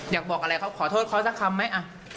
อยากบอกอะไรเขาขอโทษเขาสักคำไหม